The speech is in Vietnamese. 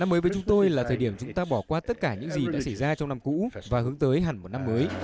năm mới với chúng tôi là thời điểm chúng ta bỏ qua tất cả những gì đã xảy ra trong năm cũ và hướng tới hẳn một năm mới